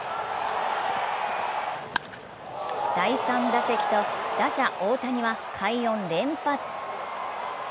第３打席と、打者・大谷は快音連発。